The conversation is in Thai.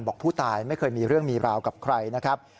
บอกผู้ตายไม่เคยมีเรื่องมีราวกับใครนะครับ